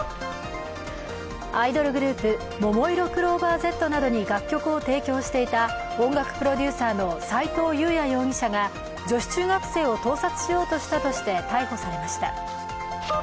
アイドルグループ、ももいろクローバーＺなどに楽曲を提供していた音楽プロデューサーの斎藤悠弥容疑者が女子中学生を盗撮しようとしたとして逮捕されました。